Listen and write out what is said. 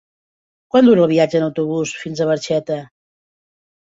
Quant dura el viatge en autobús fins a Barxeta?